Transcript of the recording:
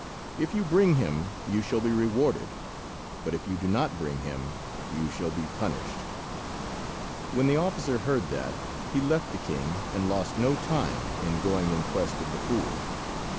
If you bring him you shall be rewarded, but if you do not bring him you shall be punished." When the officer heard that, he left the king, and lost no time in going in quest of the fool.